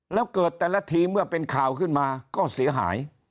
แล้วเกิดแต่ละทีเมื่อเป็นข่าวขึ้นมาก็เสียหาย